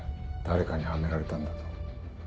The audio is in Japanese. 誰かにはめられたんだと。